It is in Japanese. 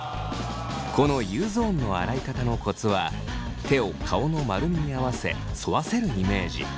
このＵゾーンの洗い方のコツは手を顔の丸みに合わせ沿わせるイメージ。